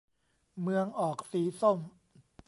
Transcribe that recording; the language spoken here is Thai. เมืองออกสีส้ม